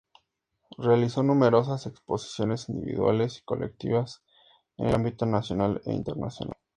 Realizó numerosas exposiciones individuales y colectivas en el ámbito nacional e internacional.